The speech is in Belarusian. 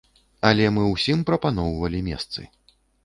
Але мы ўсім прапаноўвалі месцы.